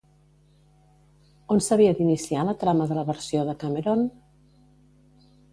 On s'havia d'iniciar la trama de la versió de Cameron?